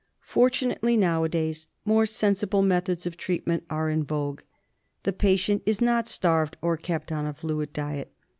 Fortunately now ^ days more sensible methods of treatment are in vogue. The patient is not starved or kept on a fluid diet.